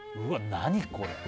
何これ？